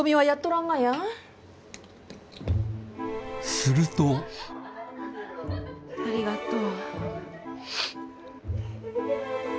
するとありがとう。